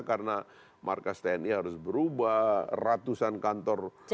karena markas tni harus berubah ratusan kantor